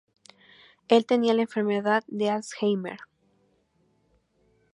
Él tenía la enfermedad de Alzheimer.